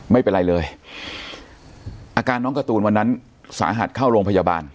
ไม่เป็นไรเลยอาการน้องการ์ตูนวันนั้นสาหัสเข้าโรงพยาบาล